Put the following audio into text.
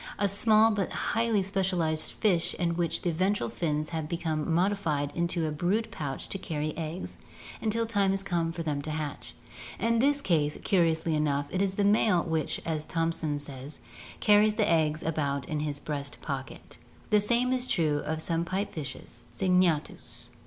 13), a small but highly specialized fish in which the ventral fins have been modified into a brood pouch to carry the eggs until time for them to hatch. In this case, curi ously enough, it is the male which, as Thomson says, "carries the eggs about in his breast pocket." The same is true of some pipe fishes (Syngnatkus).